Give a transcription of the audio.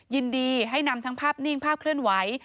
ยินดีให้นำทั้งภาพนิ่งภาพเคลื่อนไหว